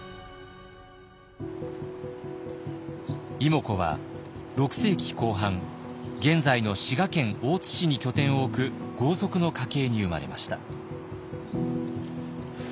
妹子は６世紀後半現在の滋賀県大津市に拠点を置く豪族の家系に生まれました。